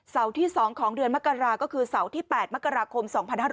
ที่๒ของเดือนมกราก็คือเสาร์ที่๘มกราคม๒๕๖๐